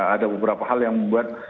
ada beberapa hal yang membuat